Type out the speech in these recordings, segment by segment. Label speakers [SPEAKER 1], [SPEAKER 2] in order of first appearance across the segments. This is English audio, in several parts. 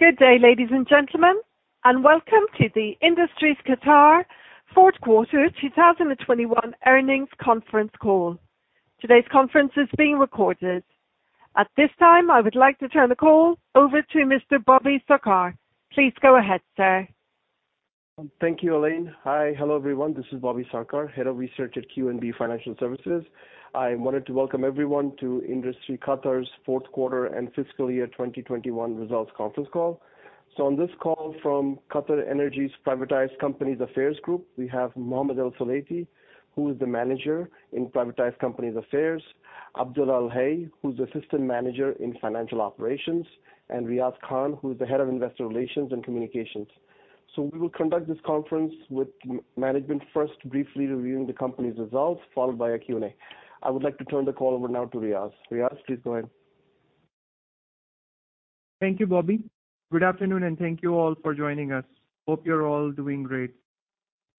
[SPEAKER 1] Good day, ladies and gentlemen. Welcome to the Industries Qatar fourth quarter 2021 earnings conference call. Today's conference is being recorded. At this time, I would like to turn the call over to Mr. Bobby Sarkar. Please go ahead, sir.
[SPEAKER 2] Thank you, Elaine. Hi. Hello, everyone. This is Bobby Sarkar, Head of Research at QNB Financial Services. I wanted to welcome everyone to Industries Qatar's fourth quarter and fiscal year 2021 results conference call. On this call from QatarEnergy's Privatized Companies Affairs Group, we have Mohammed Al-Sulaiti, who is the Manager in Privatized Companies Affairs, Abdulla Al-Hay, who's Assistant Manager in Financial Operations, and Riaz Khan, who's the Head of Investor Relations and Communications. We will conduct this conference with management first briefly reviewing the company's results, followed by a Q&A. I would like to turn the call over now to Riaz. Riaz, please go ahead.
[SPEAKER 3] Thank you, Bobby. Good afternoon. Thank you all for joining us. Hope you're all doing great.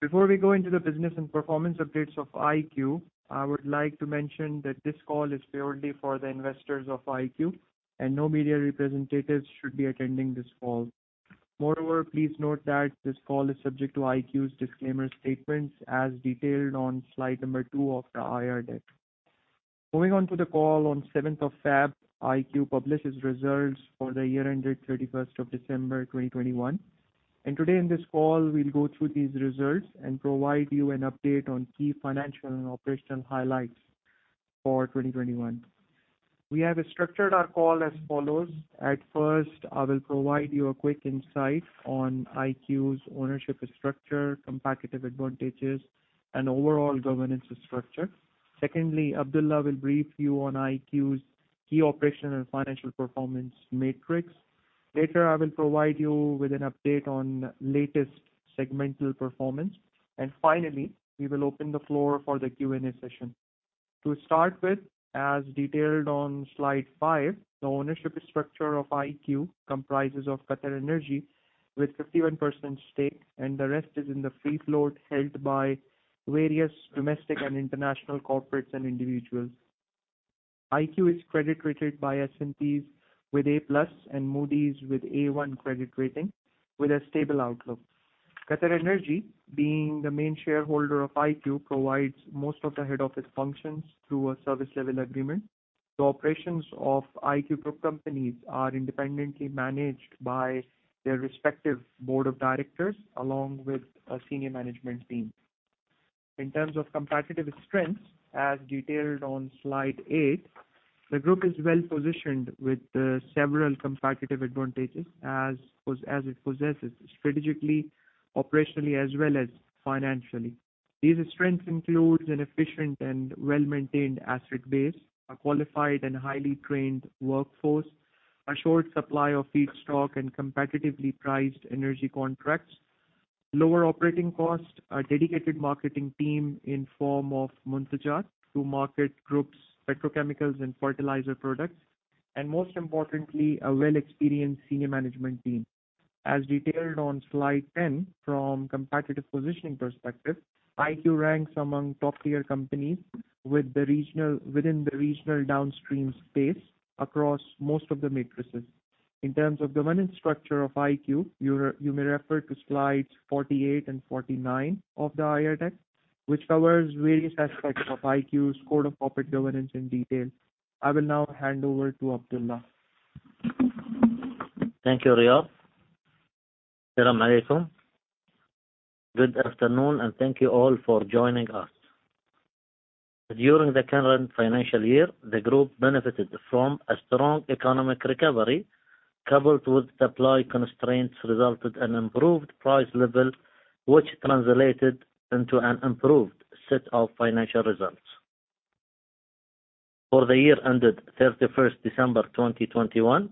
[SPEAKER 3] Before we go into the business and performance updates of IQ, I would like to mention that this call is purely for the investors of IQ and no media representatives should be attending this call. Moreover, please note that this call is subject to IQ's disclaimer statements as detailed on slide number two of the IR deck. Moving on to the call on 7th of February, IQ published its results for the year ended 31st of December 2021. Today in this call, we'll go through these results and provide you an update on key financial and operational highlights for 2021. We have structured our call as follows. At first, I will provide you a quick insight on IQ's ownership structure, competitive advantages, and overall governance structure. Secondly, Abdulla will brief you on IQ's key operational and financial performance metrics. Later, I will provide you with an update on latest segmental performance. Finally, we will open the floor for the Q&A session. To start with, as detailed on slide five, the ownership structure of IQ comprises of QatarEnergy with 51% stake, and the rest is in the free float held by various domestic and international corporates and individuals. IQ is credit rated by S&P with A+ and Moody's with A1 credit rating with a stable outlook. QatarEnergy, being the main shareholder of IQ, provides most of the head office functions through a service level agreement. The operations of IQ group companies are independently managed by their respective board of directors along with a senior management team. In terms of competitive strengths, as detailed on slide eight, the group is well-positioned with several competitive advantages as it possesses strategically, operationally, as well as financially. These strengths include an efficient and well-maintained asset base, a qualified and highly trained workforce, a short supply of feedstock and competitively priced energy contracts, lower operating costs, a dedicated marketing team in form of Muntajat to market group's petrochemicals and fertilizer products. Most importantly, a well-experienced senior management team. As detailed on slide 10, from competitive positioning perspective, IQ ranks among top-tier companies within the regional downstream space across most of the matrices. In terms of governance structure of IQ, you may refer to slides 48 and 49 of the IR deck, which covers various aspects of IQ's code of corporate governance in detail. I will now hand over to Abdulla.
[SPEAKER 4] Thank you, Riaz. Good afternoon, and thank you all for joining us. During the current financial year, the group benefited from a strong economic recovery coupled with supply constraints resulted in improved price level, which translated into an improved set of financial results. For the year ended 31st December 2021,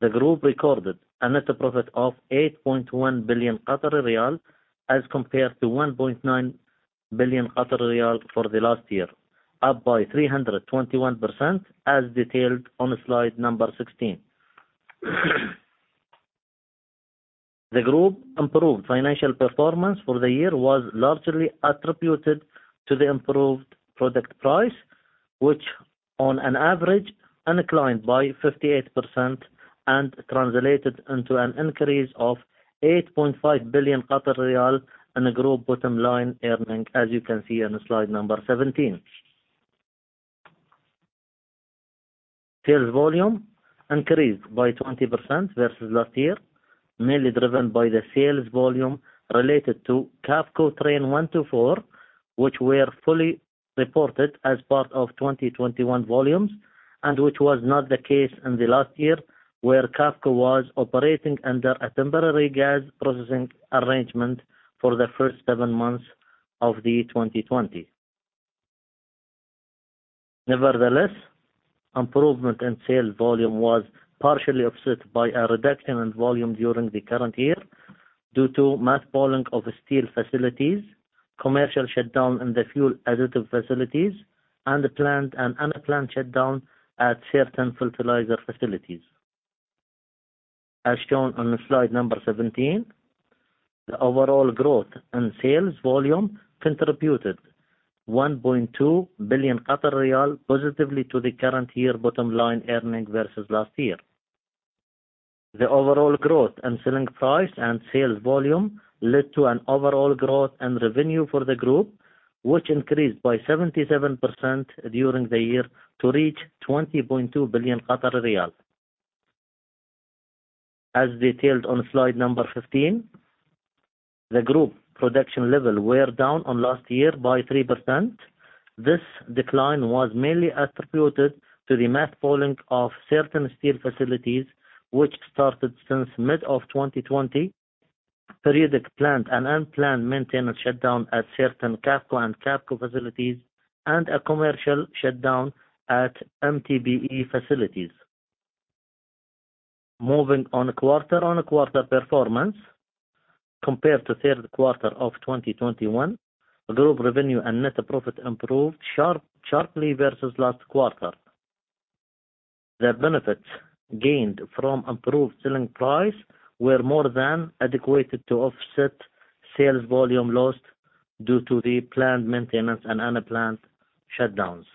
[SPEAKER 4] the group recorded a net profit of 8.1 billion riyal as compared to 1.9 billion riyal for the last year, up by 321% as detailed on slide number 16. The group improved financial performance for the year was largely attributed to the improved product price, which on an average inclined by 58% and translated into an increase of 8.5 billion riyal in the group bottom-line earning, as you can see on slide number 17. Sales volume increased by 20% versus last year, mainly driven by the sales volume related to Qafco train one to four, which were fully reported as part of 2021 volumes, and which was not the case in the last year, where Qafco was operating under a temporary gas processing arrangement for the first seven months of 2020. Nevertheless, improvement in sales volume was partially offset by a reduction in volume during the current year due to mothballing of steel facilities, commercial shutdown in the fuel additive facilities, and planned and unplanned shutdown at certain fertilizer facilities. As shown on slide number 17. The overall growth and sales volume contributed 1.2 billion positively to the current year bottom line earnings versus last year. The overall growth and selling price and sales volume led to an overall growth and revenue for the group, which increased by 77% during the year to reach 20.2 billion riyal. As detailed on slide number 15, the group production level were down on last year by 3%. This decline was mainly attributed to the mothballing of certain steel facilities, which started since mid of 2020, periodic plant and unplanned maintenance shutdown at certain QAPCO and QAPCO facilities, and a commercial shutdown at MTBE facilities. Moving on quarter-on-quarter performance compared to third quarter of 2021. Group revenue and net profit improved sharply versus last quarter. The benefits gained from improved selling price were more than adequate to offset sales volume lost due to the planned maintenance and unplanned shutdowns.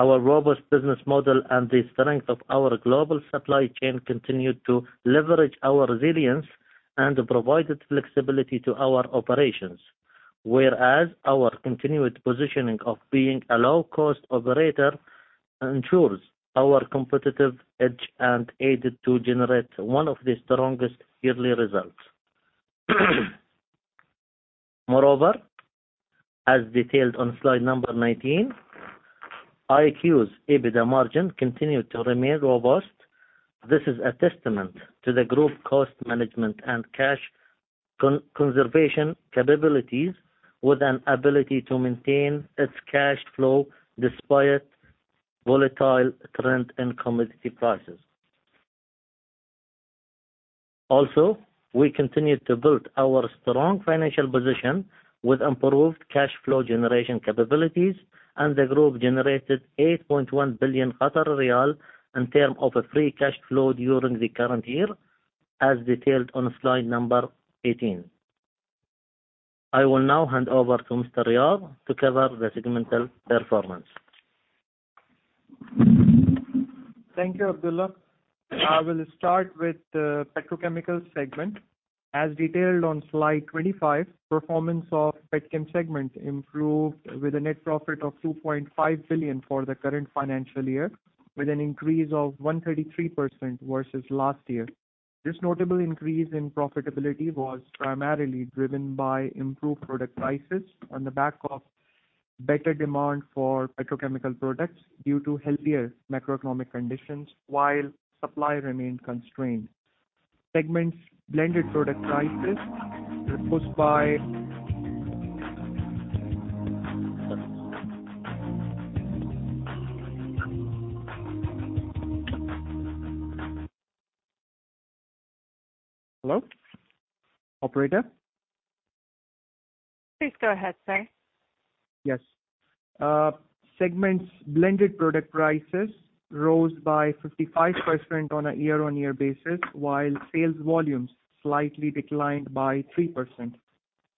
[SPEAKER 4] Our robust business model and the strength of our global supply chain continued to leverage our resilience and provided flexibility to our operations. Our continued positioning of being a low-cost operator ensures our competitive edge and aided to generate one of the strongest yearly results. Moreover, as detailed on slide number 19, IQ's EBITDA margin continued to remain robust. This is a testament to the group cost management and cash conservation capabilities, with an ability to maintain its cash flow despite volatile trend in commodity prices. We continued to build our strong financial position with improved cash flow generation capabilities, and the group generated QR8.1 billion in term of free cash flow during the current year, as detailed on slide number 18. I will now hand over to Mr. Riyad to cover the segmental performance.
[SPEAKER 3] Thank you, Abdullah. I will start with the petrochemicals segment. As detailed on slide 25, performance of petchem segment improved with a net profit of 2.5 billion for the current financial year, with an increase of 133% versus last year. This notable increase in profitability was primarily driven by improved product prices on the back of better demand for petrochemical products due to healthier macroeconomic conditions while supply remained constrained. Segments blended product prices rose by Hello? Operator?
[SPEAKER 1] Please go ahead, sir.
[SPEAKER 3] Yes. Segment's blended product prices rose by 55% on a year-on-year basis, while sales volumes slightly declined by 3%.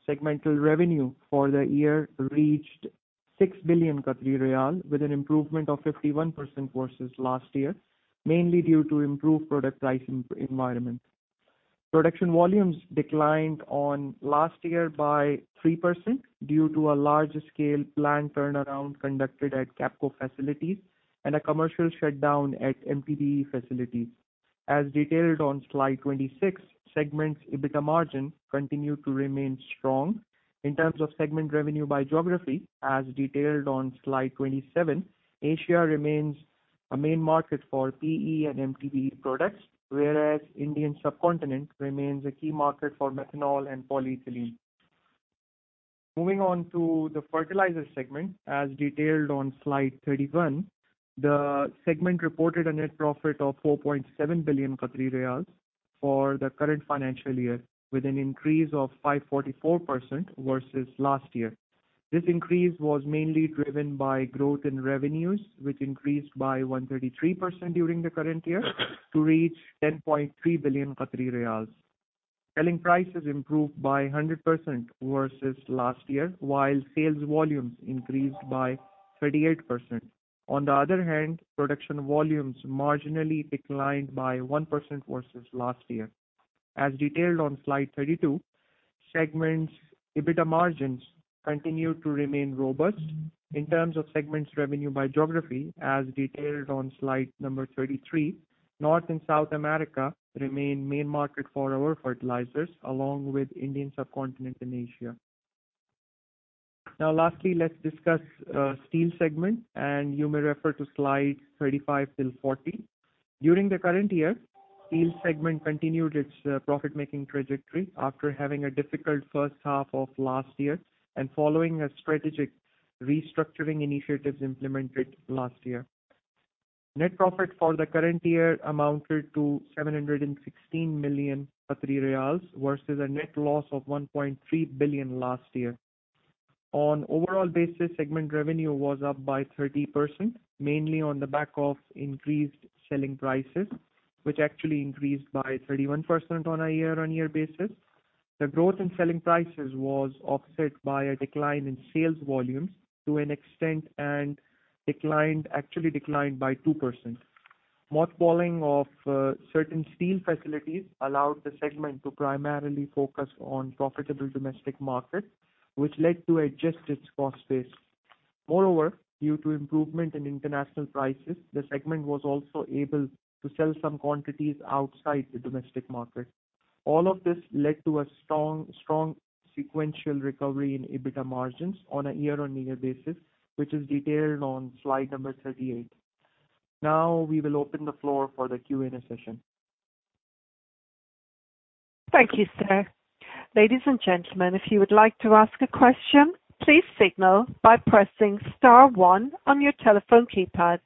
[SPEAKER 3] Segmental revenue for the year reached QR6 billion, with an improvement of 51% versus last year, mainly due to improved product pricing environment. Production volumes declined on last year by 3% due to a large-scale plant turnaround conducted at QAPCO facilities and a commercial shutdown at MTBE facilities. As detailed on slide 26, segment's EBITDA margin continued to remain strong. In terms of segment revenue by geography, as detailed on slide 27, Asia remains a main market for PE and MTBE products, Indian subcontinent remains a key market for methanol and polyethylene. Moving on to the fertilizers segment, as detailed on slide 31. The segment reported a net profit of QR4.7 billion for the current financial year, with an increase of 544% versus last year. This increase was mainly driven by growth in revenues, which increased by 133% during the current year to reach 10.3 billion Qatari riyals. Selling prices improved by 100% versus last year, while sales volumes increased by 38%. On the other hand, production volumes marginally declined by 1% versus last year. As detailed on slide 32, segment's EBITDA margins continued to remain robust. In terms of segment's revenue by geography, as detailed on slide number 33, North and South America remain main market for our fertilizers, along with Indian subcontinent and Asia. Lastly, let's discuss steel segment, and you may refer to slide 35 till 40. During the current year, steel segment continued its profit-making trajectory after having a difficult first half of last year and following a strategic restructuring initiatives implemented last year. Net profit for the current year amounted to 716 million versus a net loss of 1.3 billion last year.
[SPEAKER 5] On overall basis, segment revenue was up by 30%, mainly on the back of increased selling prices, which actually increased by 31% on a year-on-year basis. The growth in selling prices was offset by a decline in sales volumes to an extent and actually declined by 2%. Mothballing of certain steel facilities allowed the segment to primarily focus on profitable domestic markets, which led to adjusted cost base. Moreover, due to improvement in international prices, the segment was also able to sell some quantities outside the domestic market. All of this led to a strong sequential recovery in EBITDA margins on a year-on-year basis, which is detailed on slide number 38. We will open the floor for the Q&A session.
[SPEAKER 1] Thank you, sir. Ladies and gentlemen, if you would like to ask a question, please signal by pressing star one on your telephone keypad.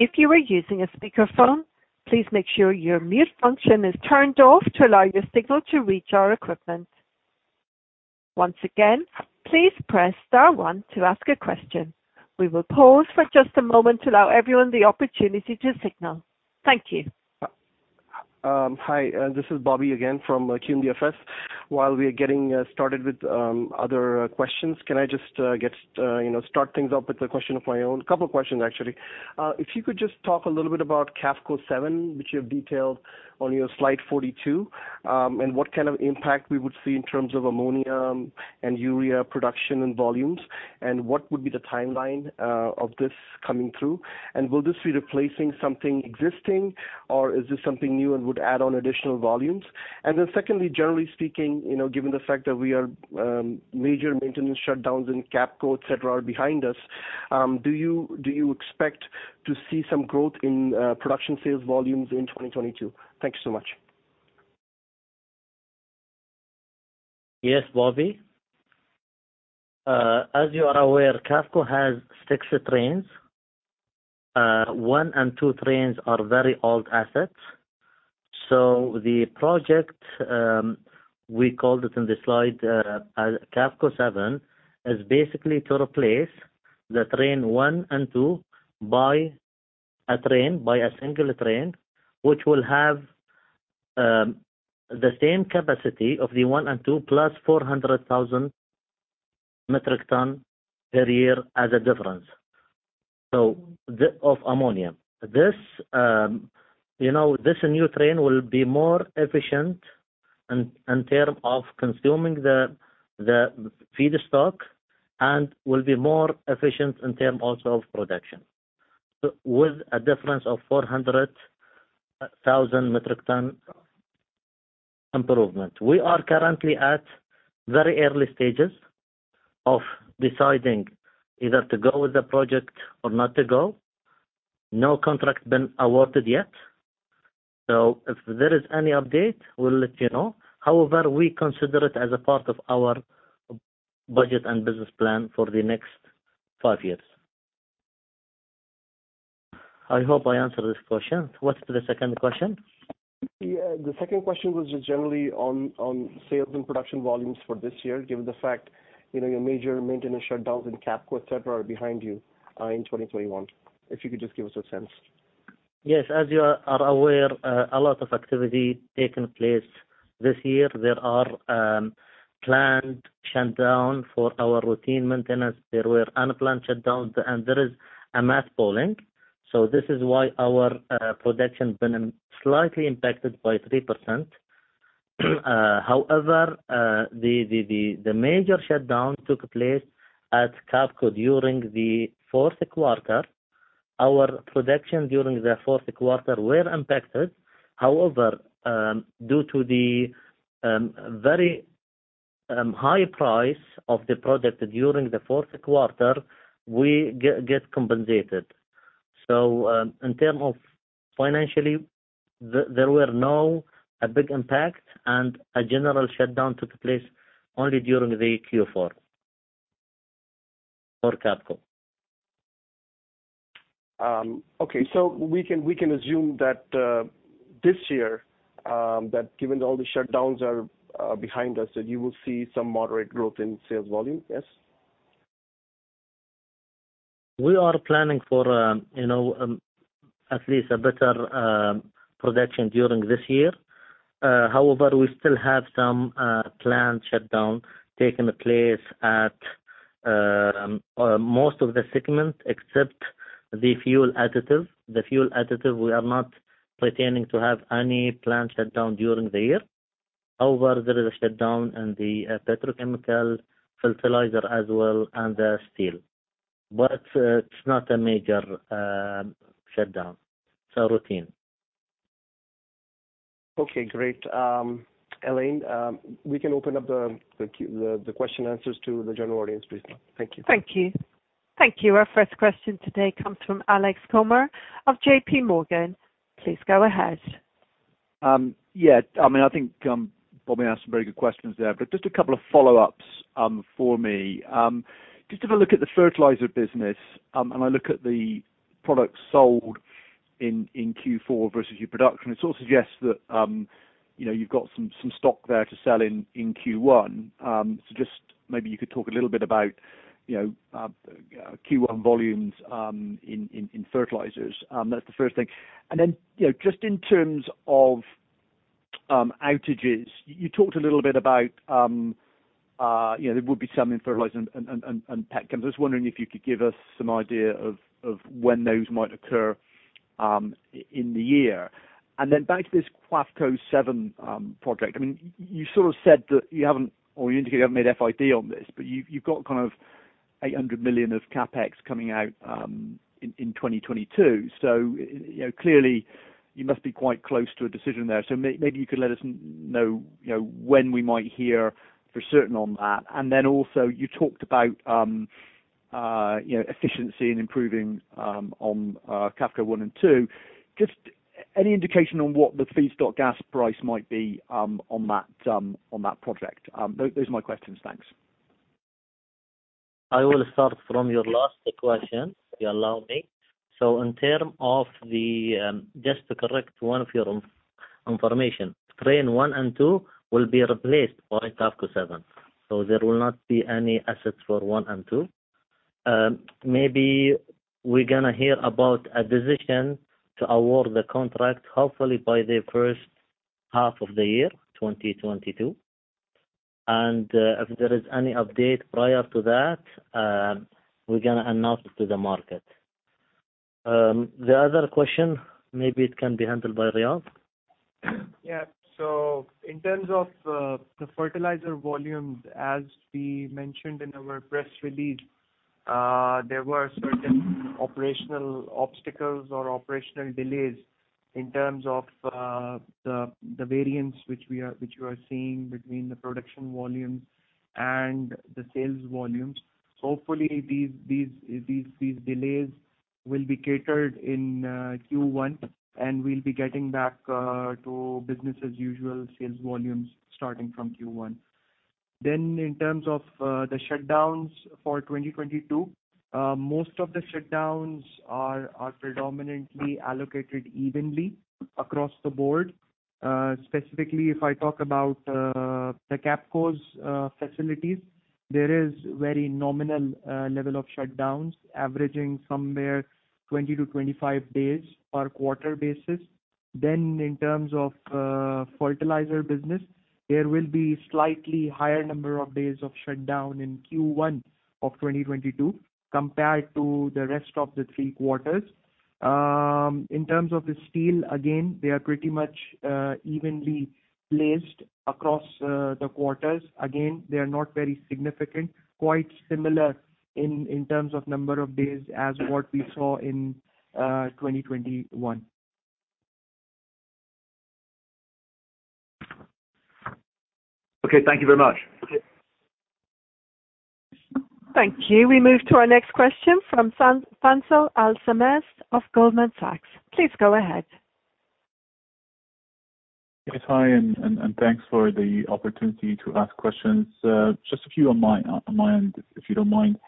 [SPEAKER 1] If you are using a speakerphone, please make sure your mute function is turned off to allow your signal to reach our equipment. Once again, please press star one to ask a question. We will pause for just a moment to allow everyone the opportunity to signal. Thank you.
[SPEAKER 2] Hi, this is Bobby again from QNBFS. While we are getting started with other questions, can I just start things off with a question of my own? A couple of questions, actually. If you could just talk a little bit about QAFCO 7, which you have detailed on your slide 42, and what kind of impact we would see in terms of ammonia and urea production and volumes, and what would be the timeline of this coming through, and will this be replacing something existing, or is this something new and would add on additional volumes? Secondly, generally speaking, given the fact that major maintenance shutdowns in Qafco, et cetera, are behind us, do you expect to see some growth in production sales volumes in 2022? Thank you so much.
[SPEAKER 5] Yes, Bobby. As you are aware, Qafco has six trains. One and two trains are very old assets. The project, we called it in the slide, QAFCO 7, is basically to replace the train one and two by a single train, which will have the same capacity of the one and two plus 400,000 metric ton per year as a difference. Of ammonia. This new train will be more efficient in terms of consuming the feedstock and will be more efficient in terms also of production. With a difference of 400,000 metric ton improvement. We are currently at very early stages of deciding either to go with the project or not to go. No contract been awarded yet. If there is any update, we'll let you know. However, we consider it as a part of our budget and business plan for the next five years. I hope I answered this question. What's the second question?
[SPEAKER 2] Yeah. The second question was just generally on sales and production volumes for this year, given the fact your major maintenance shutdowns in Qafco, et cetera, are behind you in 2021. If you could just give us a sense.
[SPEAKER 5] Yes. As you are aware, a lot of activity taken place this year. There are planned shutdown for our routine maintenance. There were unplanned shutdowns, and there is a mothballing. This is why our production been slightly impacted by 3%. However, the major shutdown took place at QAFCO during the fourth quarter. Our production during the fourth quarter were impacted. However, due to the very high price of the product during the fourth quarter, we get compensated. In terms of financially, there were no a big impact, and a general shutdown took place only during the Q4 for QAFCO.
[SPEAKER 2] Okay. We can assume that this year, that given all the shutdowns are behind us, that you will see some moderate growth in sales volume, yes?
[SPEAKER 5] We are planning for at least a better production during this year. However, we still have some planned shutdown taking place at most of the segments except the fuel additive. The fuel additive, we are not pretending to have any planned shutdown during the year. However, there is a shutdown in the petrochemical fertilizer as well, and the steel. It's not a major shutdown. It's a routine.
[SPEAKER 2] Okay, great. Elaine, we can open up the question and answers to the general audience, please now. Thank you.
[SPEAKER 1] Thank you. Thank you. Our first question today comes from Alex Comer of JPMorgan. Please go ahead.
[SPEAKER 6] I think Bobby asked some very good questions there, just a couple of follow-ups for me. Just have a look at the fertilizer business, and I look at the products sold in Q4 versus your production. It sort of suggests that you have got some stock there to sell in Q1. Just maybe you could talk a little bit about Q1 volumes in fertilizers. That is the first thing. Just in terms of outages, you talked a little bit about there would be some in fertilizer and petchem. I was wondering if you could give us some idea of when those might occur in the year. Back to this Qafco 7 project. You sort of said that you have not or you indicate you have not made FID on this, you have got kind of 800 million of CapEx coming out in 2022. Clearly you must be quite close to a decision there. Maybe you could let us know when we might hear for certain on that. Also you talked about efficiency and improving on Qafco 1 and 2. Just any indication on what the feedstock gas price might be on that project? Those are my questions. Thanks.
[SPEAKER 4] I will start from your last question, if you allow me. Just to correct one of your information, train 1 and 2 will be replaced by Qafco 7, there will not be any assets for 1 and 2. Maybe we are going to hear about a decision to award the contract, hopefully by the first half of the year 2022. If there is any update prior to that, we are going to announce it to the market. The other question, maybe it can be handled by Riaz.
[SPEAKER 3] In terms of the fertilizer volumes, as we mentioned in our press release, there were certain operational obstacles or operational delays in terms of the variance which you are seeing between the production volumes and the sales volumes. Hopefully these delays will be catered in Q1 and we'll be getting back to business as usual sales volumes starting from Q1. In terms of the shutdowns for 2022, most of the shutdowns are predominantly allocated evenly across the board. Specifically, if I talk about the Qafco's facilities, there is very nominal level of shutdowns averaging somewhere 20 to 25 days per quarter basis. In terms of fertilizer business, there will be slightly higher number of days of shutdown in Q1 of 2022 compared to the rest of the three quarters. In terms of the steel, again, they are pretty much evenly placed across the quarters. Again, they are not very significant, quite similar in terms of number of days as what we saw in 2021.
[SPEAKER 6] Thank you very much.
[SPEAKER 3] Okay.
[SPEAKER 1] Thank you. We move to our next question from Fancho Alsames of Goldman Sachs. Please go ahead.
[SPEAKER 7] Yes. Hi, and thanks for the opportunity to ask questions. Just a few on my end, if you don't mind.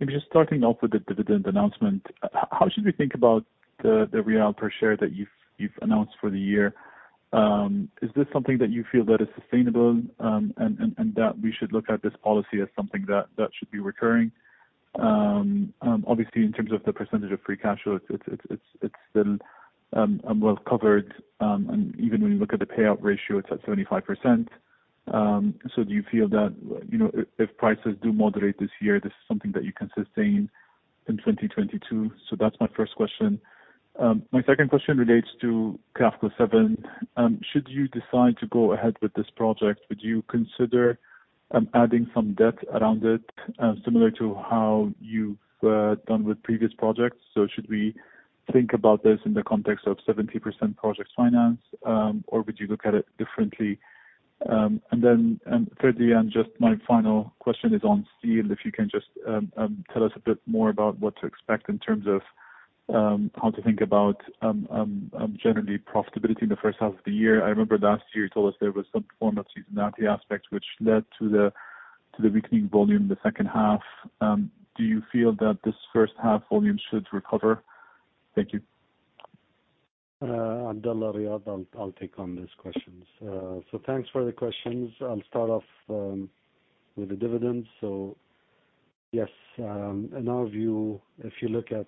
[SPEAKER 7] Maybe just starting off with the dividend announcement, how should we think about the QAR per share that you've announced for the year? Is this something that you feel that is sustainable, and that we should look at this policy as something that should be recurring? Obviously, in terms of the percentage of free cash flow, it's still well covered. Even when you look at the payout ratio, it's at 75%. Do you feel that, if prices do moderate this year, this is something that you can sustain in 2022? That's my first question. My second question relates to Qafco 7. Should you decide to go ahead with this project, would you consider adding some debt around it, similar to how you've done with previous projects? Should we think about this in the context of 70% project finance, or would you look at it differently? Thirdly, just my final question is on steel. If you can just tell us a bit more about what to expect in terms of how to think about generally profitability in the first half of the year. I remember last year you told us there was some form of seasonality aspect which led to the weakening volume the second half. Do you feel that this first half volume should recover? Thank you.
[SPEAKER 5] Abdulla, Riaz, I'll take on these questions. Thanks for the questions. I'll start off with the dividends. Yes, in our view, if you look at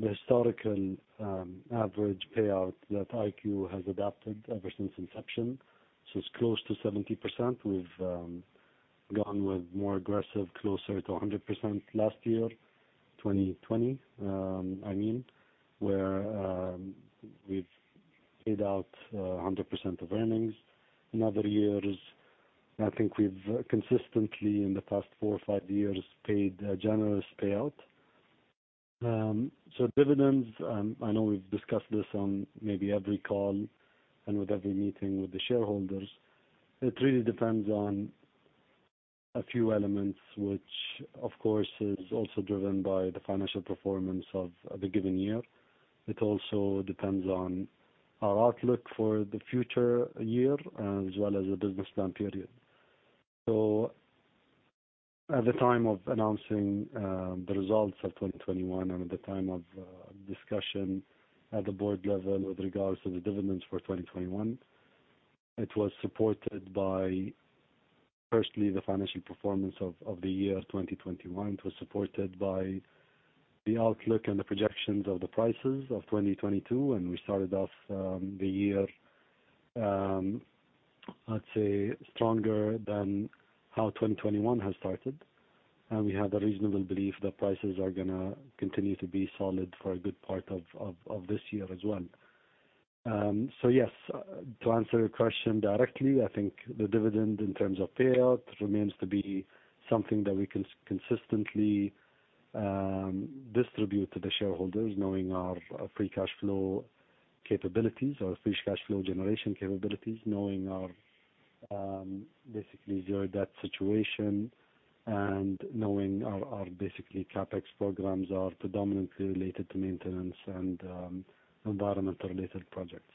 [SPEAKER 5] the historical average payout that IQ has adapted ever since inception, it's close to 70%. We've gone with more aggressive, closer to 100% last year, 2020, I mean. Where we've paid out 100% of earnings. In other years, I think we've consistently, in the past four or five years, paid a generous payout. Dividends, I know we've discussed this on maybe every call and with every meeting with the shareholders. It really depends on a few elements, which of course, is also driven by the financial performance of the given year. It also depends on our outlook for the future year as well as the business plan period. At the time of announcing the results of 2021 and at the time of discussion at the board level with regards to the dividends for 2021, it was supported by, firstly, the financial performance of the year 2021. It was supported by the outlook and the projections of the prices of 2022. We started off the year, let's say, stronger than how 2021 has started. We have a reasonable belief that prices are going to continue to be solid for a good part of this year as well. Yes, to answer your question directly, I think the dividend in terms of payout remains to be something that we can consistently distribute to the shareholders, knowing our free cash flow capabilities, our free cash flow generation capabilities, knowing our basically zero debt situation, and knowing our basically CapEx programs are predominantly related to maintenance and environmental-related projects.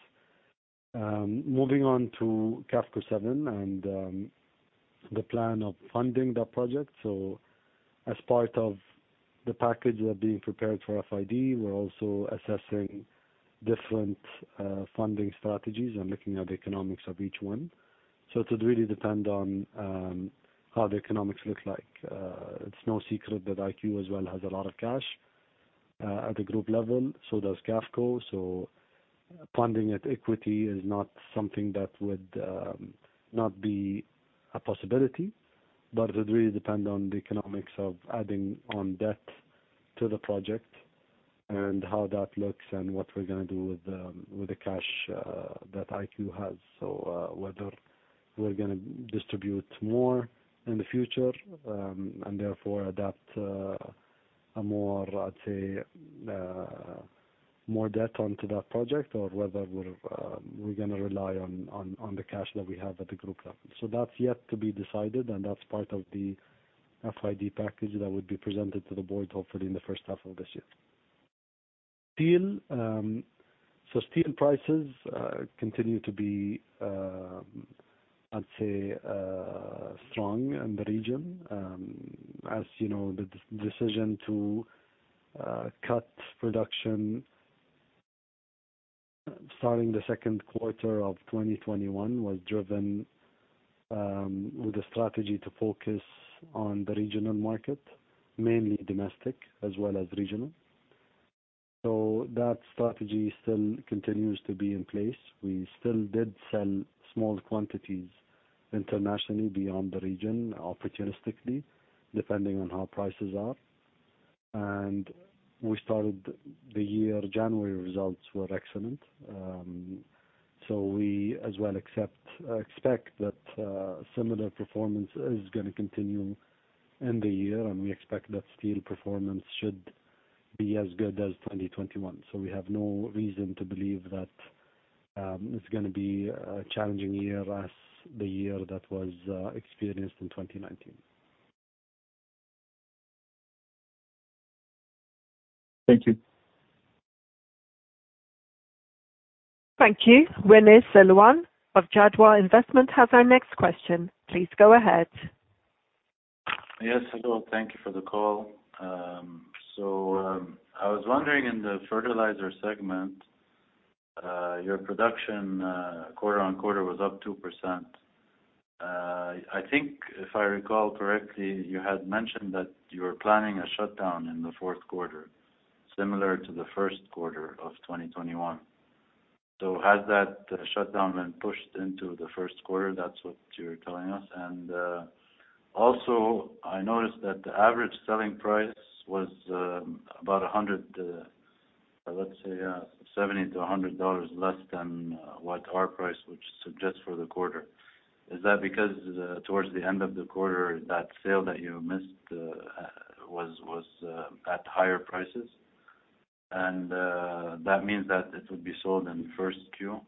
[SPEAKER 5] Moving on to Qafco 7 and the plan of funding that project. As part of the package that are being prepared for FID, we're also assessing different funding strategies and looking at the economics of each one. It would really depend on how the economics look like. It's no secret that IQ as well has a lot of cash at the group level, so does Qafco. Funding at equity is not something that would not be a possibility, but it would really depend on the economics of adding on debt to the project and how that looks and what we're going to do with the cash that IQ has. Whether we're going to distribute more in the future, and therefore adapt, I'd say, more debt onto that project or whether we're going to rely on the cash that we have at the group level. That's yet to be decided, and that's part of the FID package that would be presented to the board, hopefully in the first half of this year. Steel. Steel prices continue to be, I'd say, strong in the region. As you know, the decision to cut production starting the second quarter of 2021 was driven with a strategy to focus on the regional market, mainly domestic as well as regional. That strategy still continues to be in place. We still did sell small quantities internationally beyond the region, opportunistically, depending on how prices are. And we started the year, January results were excellent. We as well expect that similar performance is going to continue in the year, and we expect that steel performance should be as good as 2021. We have no reason to believe that it's going to be a challenging year as the year that was experienced in 2019.
[SPEAKER 7] Thank you.
[SPEAKER 1] Thank you. Willis Selwan of Jadwa Investment has our next question. Please go ahead.
[SPEAKER 8] Yes, hello. Thank you for the call. I was wondering, in the fertilizer segment, your production quarter-on-quarter was up 2%. I think if I recall correctly, you had mentioned that you were planning a shutdown in the fourth quarter, similar to the first quarter of 2021. Has that shutdown been pushed into the first quarter? That's what you're telling us. I noticed that the average selling price was about, let's say, $70-$100 less than what our price would suggest for the quarter. Is that because towards the end of the quarter, that sale that you missed was at higher prices? That means that it would be sold in first Q?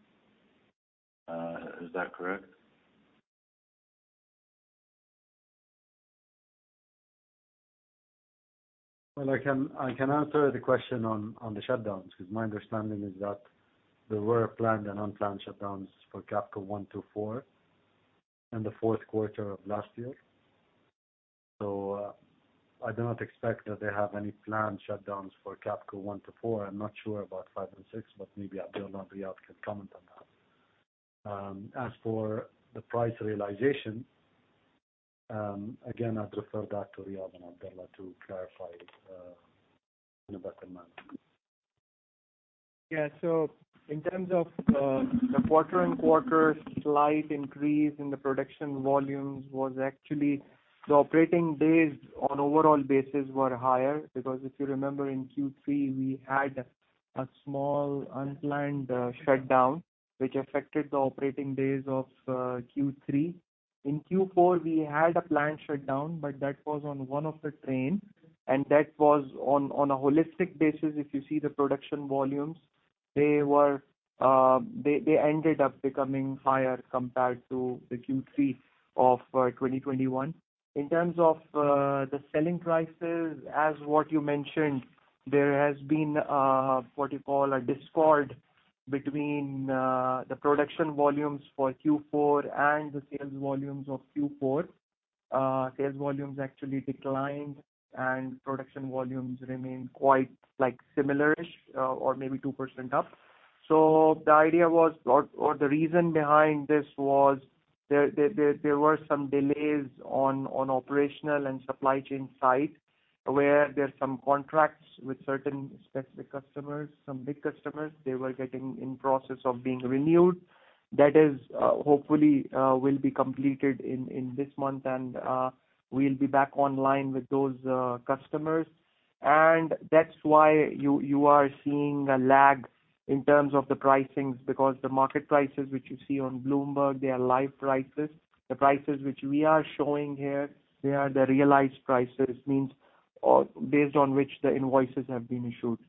[SPEAKER 8] Is that correct?
[SPEAKER 5] Well, I can answer the question on the shutdowns, because my understanding is that there were planned and unplanned shutdowns for Qafco 1 to 4 in the fourth quarter of last year. I do not expect that they have any planned shutdowns for Qafco 1 to 4. I'm not sure about 5 and 6, but maybe Abdulla or Riaz can comment on that. As for the price realization, again, I'd refer that to Riaz and Abdulla to clarify in a better manner.
[SPEAKER 3] Yeah. In terms of the quarter-on-quarter slight increase in the production volumes was actually the operating days on overall basis were higher. Because if you remember in Q3, we had a small unplanned shutdown which affected the operating days of Q3. In Q4, we had a planned shutdown, but that was on one of the train, and that was on a holistic basis, if you see the production volumes They ended up becoming higher compared to the Q3 of 2021. In terms of the selling prices, as what you mentioned, there has been, what you call a discord between the production volumes for Q4 and the sales volumes of Q4. Sales volumes actually declined and production volumes remained quite similar-ish or maybe 2% up. The idea was, or the reason behind this was there were some delays on operational and supply chain side, where there are some contracts with certain specific customers, some big customers, they were getting in process of being renewed. That hopefully will be completed in this month and we'll be back online with those customers. That's why you are seeing a lag in terms of the pricings, because the market prices which you see on Bloomberg, they are live prices. The prices which we are showing here, they are the realized prices, means based on which the invoices have been issued.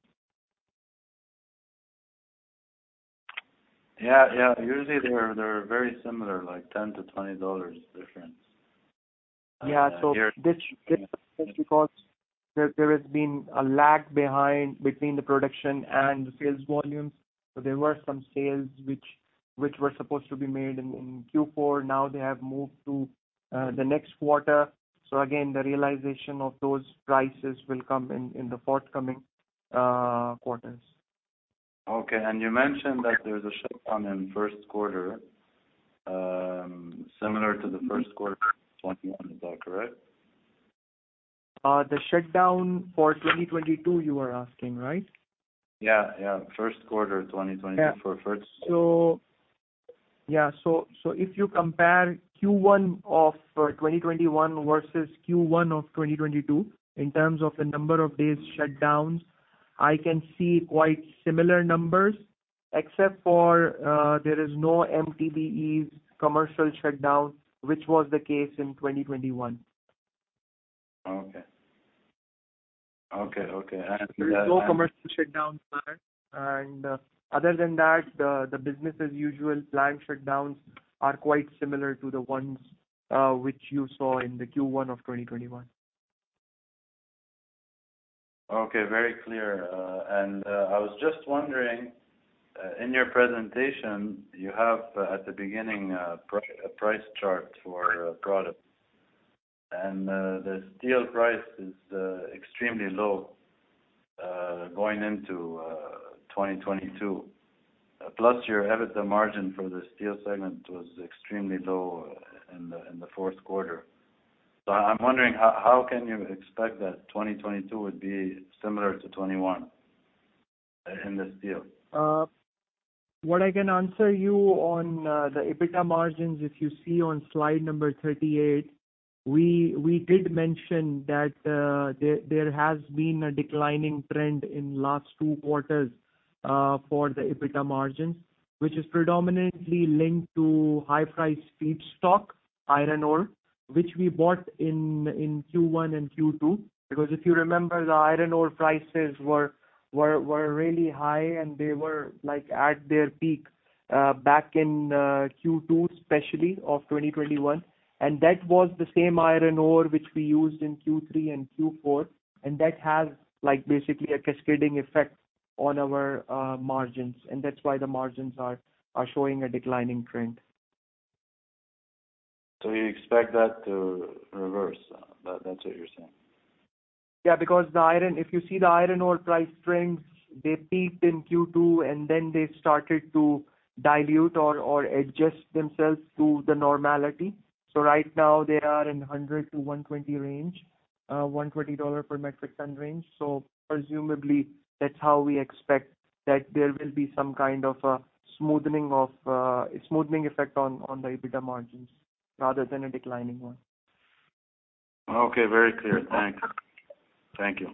[SPEAKER 8] Yeah. Usually they're very similar, like $10-$20 difference.
[SPEAKER 3] Yeah. This just because there has been a lag behind between the production and the sales volumes. There were some sales which were supposed to be made in Q4, now they have moved to the next quarter. Again, the realization of those prices will come in the forthcoming quarters.
[SPEAKER 8] Okay. You mentioned that there's a shutdown in first quarter, similar to the first quarter 2021. Is that correct?
[SPEAKER 3] The shutdown for 2022, you are asking, right?
[SPEAKER 8] Yeah. First quarter 2022.
[SPEAKER 3] Yeah. If you compare Q1 of 2021 versus Q1 of 2022, in terms of the number of days shutdowns, I can see quite similar numbers, except for there is no MTBEs commercial shutdown, which was the case in 2021.
[SPEAKER 8] Okay.
[SPEAKER 3] There is no commercial shutdown, sir. Other than that, the business as usual planned shutdowns are quite similar to the ones which you saw in the Q1 of 2021.
[SPEAKER 8] Okay. Very clear. I was just wondering, in your presentation, you have at the beginning, a price chart for products. The steel price is extremely low going into 2022. Plus your EBITDA margin for the steel segment was extremely low in the fourth quarter. I'm wondering how can you expect that 2022 would be similar to 2021 in this deal?
[SPEAKER 3] What I can answer you on the EBITDA margins, if you see on slide number 38, we did mention that there has been a declining trend in last two quarters for the EBITDA margins, which is predominantly linked to high price feedstock, iron ore, which we bought in Q1 and Q2. If you remember, the iron ore prices were really high and they were at their peak back in Q2, especially of 2021. That was the same iron ore which we used in Q3 and Q4, and that has basically a cascading effect on our margins, and that's why the margins are showing a declining trend.
[SPEAKER 8] You expect that to reverse? That's what you're saying.
[SPEAKER 3] Yeah. If you see the iron ore price trends, they peaked in Q2 and then they started to dilute or adjust themselves to the normality. Right now they are in $100-$120 per metric ton range. Presumably, that's how we expect that there will be some kind of a smoothening effect on the EBITDA margins rather than a declining one.
[SPEAKER 8] Okay. Very clear. Thanks. Thank you.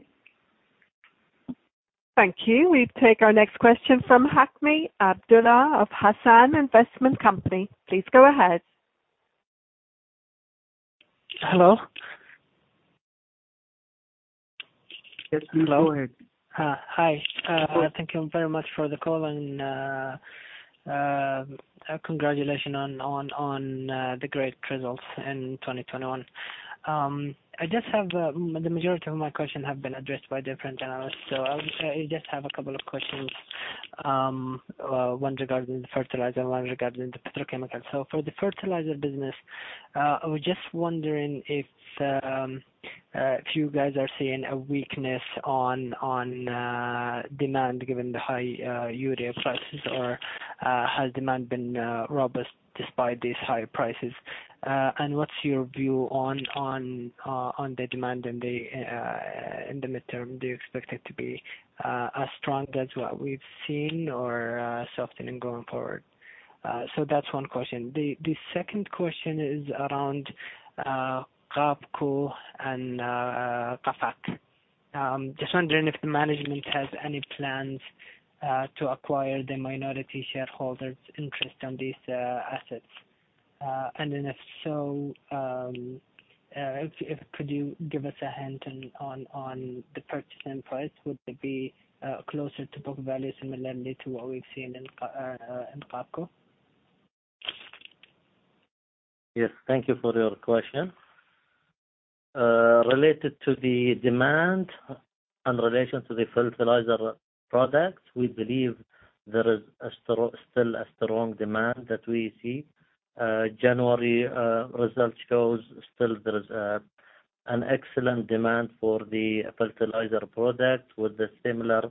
[SPEAKER 1] Thank you. We take our next question from Hakme Abdullah of Hassana Investment Company. Please go ahead.
[SPEAKER 9] Hello?
[SPEAKER 3] Yes. Go ahead.
[SPEAKER 9] Hi. Thank you very much for the call and congratulation on the great results in 2021. The majority of my questions have been addressed by different analysts. I just have a couple of questions, one regarding the fertilizer and one regarding the petrochemicals. For the fertilizer business, I was just wondering if you guys are seeing a weakness on demand given the high urea prices, or has demand been robust despite these high prices? What's your view on the demand in the midterm? Do you expect it to be as strong as what we've seen or softening going forward? That's one question. The second question is around Rabigh and Qafco. Just wondering if the management has any plans to acquire the minority shareholders' interest on these assets. If so, could you give us a hint on the purchasing price? Would it be closer to book value similarly to what we've seen in QAPCO?
[SPEAKER 4] Yes, thank you for your question. Related to the demand in relation to the fertilizer products, we believe there is still a strong demand that we see. January results shows still there is an excellent demand for the fertilizer product with a similar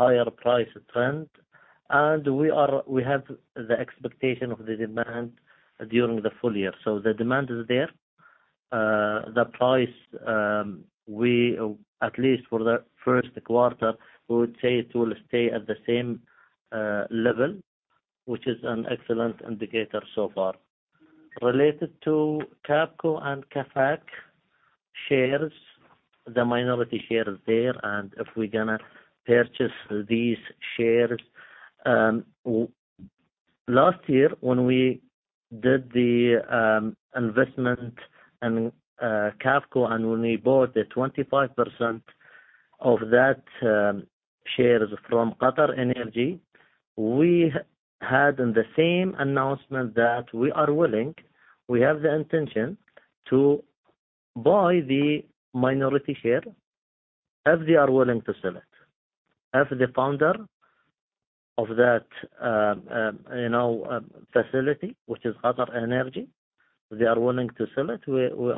[SPEAKER 4] higher price trend. We have the expectation of the demand during the full year. The demand is there. The price, at least for the first quarter, we would say it will stay at the same level, which is an excellent indicator so far. Related to QAPCO and Qafac shares, the minority shares there, and if we're going to purchase these shares. Last year, when we did the investment in QAPCO, and when we bought the 25% of that shares from QatarEnergy, we had in the same announcement that we are willing, we have the intention to buy the minority share if they are willing to sell it. If the founder of that facility, which is QatarEnergy, they are willing to sell it, we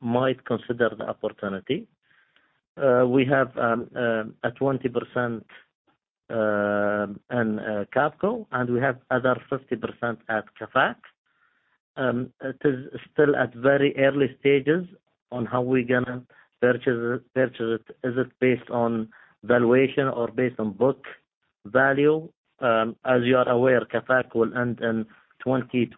[SPEAKER 4] might consider the opportunity. We have a 20% in QAPCO, and we have other 50% at Qafac. It is still at very early stages on how we're going to purchase it. Is it based on valuation or based on book value? As you are aware, Qafac will end in 2020-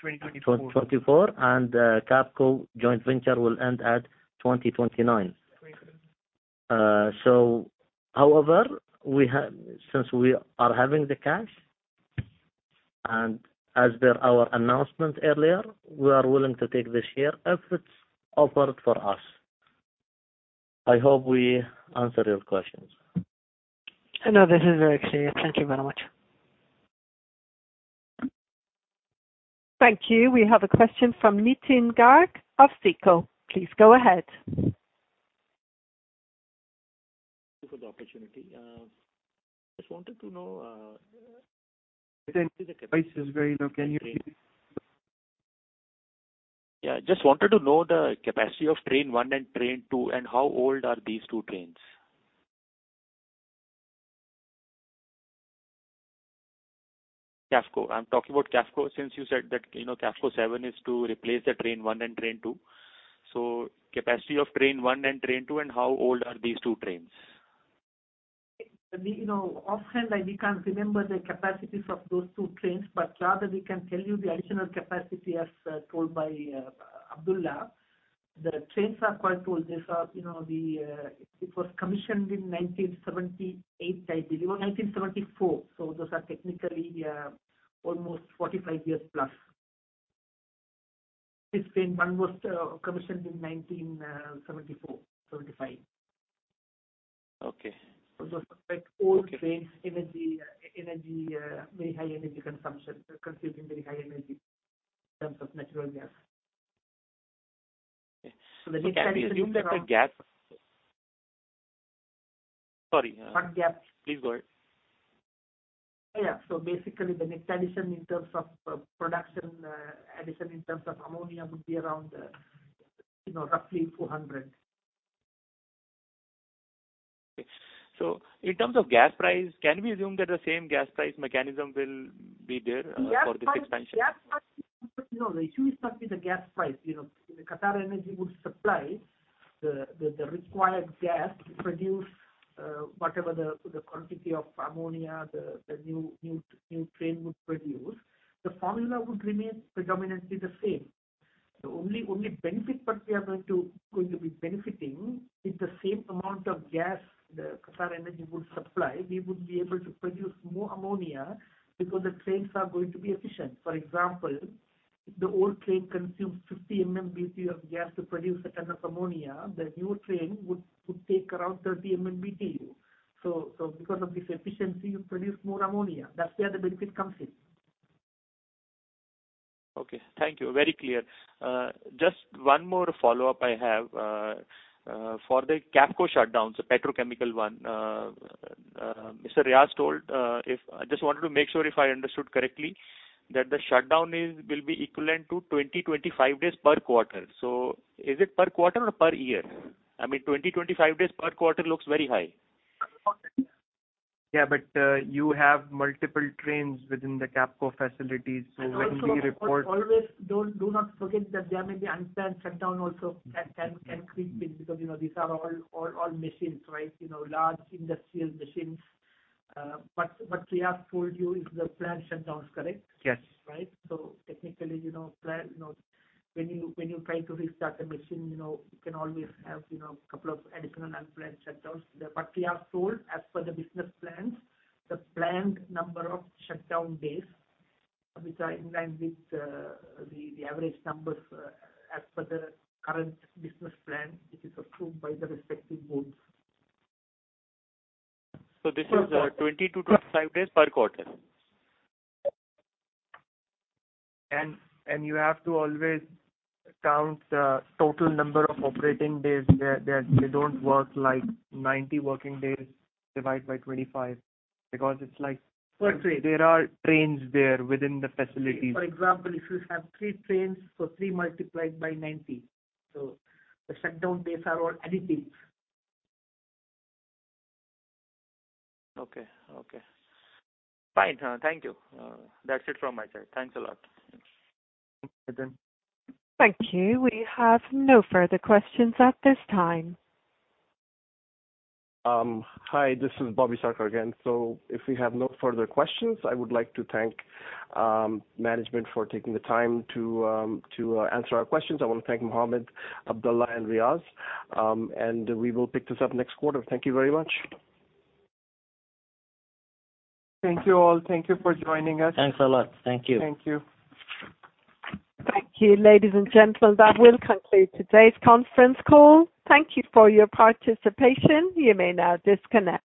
[SPEAKER 3] 2024.
[SPEAKER 4] 2024, and QAPCO joint venture will end at 2029.
[SPEAKER 3] 2029.
[SPEAKER 4] However, since we are having the cash, and as our announcement earlier, we are willing to take this share if it's offered for us. I hope we answered your questions.
[SPEAKER 9] No, this is very clear. Thank you very much.
[SPEAKER 1] Thank you. We have a question from Nitin Garg of SECO. Please go ahead.
[SPEAKER 10] Thank you for the opportunity.
[SPEAKER 4] Nitin, price is very low. Can you repeat?
[SPEAKER 10] Yeah. Just wanted to know the capacity of train one and train two, and how old are these two trains? QAFCO. I am talking about QAFCO, since you said that QAFCO 7 is to replace the train one and train two. Capacity of train one and train two, and how old are these two trains?
[SPEAKER 3] Offhand, we cannot remember the capacities of those two trains, but rather we can tell you the additional capacity, as told by Abdullah. The trains are quite old. It was commissioned in 1978, I believe, or 1974. Those are technically almost 45 years plus. This train one was commissioned in 1974, 1975.
[SPEAKER 10] Okay.
[SPEAKER 3] Those are quite old trains, very high energy consumption. They are consuming very high energy in terms of natural gas. The next addition-
[SPEAKER 10] Can we assume that the gas? Sorry.
[SPEAKER 3] What gas?
[SPEAKER 10] Please go ahead.
[SPEAKER 3] Yeah. Basically, the next addition in terms of production addition in terms of ammonia would be around roughly 400.
[SPEAKER 10] Okay. In terms of gas price, can we assume that the same gas price mechanism will be there for this expansion?
[SPEAKER 3] No, the issue is not with the gas price. QatarEnergy would supply the required gas to produce whatever the quantity of ammonia the new train would produce. The formula would remain predominantly the same. The only benefit that we are going to be benefiting is the same amount of gas that QatarEnergy would supply. We would be able to produce more ammonia because the trains are going to be efficient. For example, if the old train consumes 50 MMBtu of gas to produce a ton of ammonia, the new train would take around 30 MMBtu. Because of this efficiency, you produce more ammonia. That's where the benefit comes in.
[SPEAKER 10] Okay. Thank you. Very clear. Just one more follow-up I have. For the QAPCO shutdowns, the petrochemical one, Mr. Riaz told, I just wanted to make sure if I understood correctly, that the shutdown will be equivalent to 20-25 days per quarter. Is it per quarter or per year? I mean, 20-25 days per quarter looks very high.
[SPEAKER 4] Per quarter.
[SPEAKER 3] Yeah, you have multiple trains within the QAPCO facilities.
[SPEAKER 4] Also, always do not forget that there may be unplanned shutdown also can creep in because these are all machines. Large industrial machines. What Riaz told you is the planned shutdowns, correct?
[SPEAKER 10] Yes.
[SPEAKER 4] Right. Technically, when you try to restart a machine, you can always have couple of additional unplanned shutdowns. Riaz told as per the business plans, the planned number of shutdown days, which are in line with the average numbers as per the current business plan, which is approved by the respective boards.
[SPEAKER 10] This is 20-25 days per quarter?
[SPEAKER 3] You have to always count the total number of operating days. They don't work like 90 working days divide by 25.
[SPEAKER 4] Per train.
[SPEAKER 3] There are trains there within the facilities.
[SPEAKER 4] If you have three trains, so three multiplied by 90. The shutdown days are all additive.
[SPEAKER 10] Okay. Fine. Thank you. That's it from my side. Thanks a lot.
[SPEAKER 4] Thanks.
[SPEAKER 3] Nitin.
[SPEAKER 1] Thank you. We have no further questions at this time.
[SPEAKER 2] Hi, this is Bobby Sarkar again. If we have no further questions, I would like to thank management for taking the time to answer our questions. I want to thank Mohammed, Abdullah, and Riaz. We will pick this up next quarter. Thank you very much.
[SPEAKER 4] Thank you all. Thank you for joining us.
[SPEAKER 9] Thanks a lot. Thank you.
[SPEAKER 4] Thank you.
[SPEAKER 1] Thank you, ladies and gentlemen. That will conclude today's conference call. Thank you for your participation. You may now disconnect.